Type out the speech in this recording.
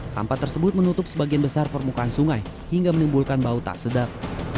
sampah tersebut menutup sebagian besar permukaan sungai hingga menimbulkan bau tak sedap